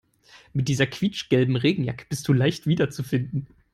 Mit dieser quietschgelben Regenjacke bist du leicht wiederzufinden.